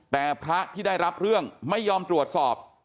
แต่พระที่ได้รับเรื่องไม่ยอมตรวจสอบ